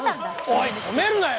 おい止めるなよ！